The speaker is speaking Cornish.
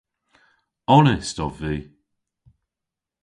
Onest ov vy.